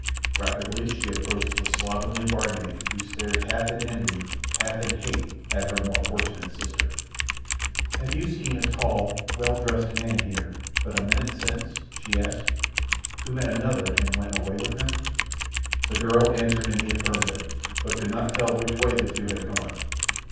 Rapidly she approached the slovenly barmaid who stared half in envy, half in hate, at her more fortunate sister. "Have you seen a tall, well dressed man here, but a minute since," she asked, "who met another and went away with him?" The girl answered in the affirmative, but could not tell which way the two had gone.